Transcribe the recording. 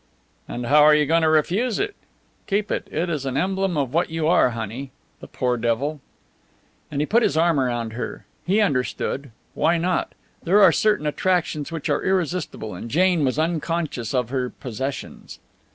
"And how are you going to refuse it? Keep it. It is an emblem of what you are, honey. The poor devil!" And he put his arm round her. He understood. Why not? There are certain attractions which are irresistible, and Jane was unconscious of her possessions.